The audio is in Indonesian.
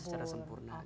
secara sempurna gitu